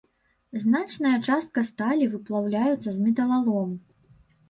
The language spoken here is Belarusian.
Значная частка сталі выплаўляецца з металалому.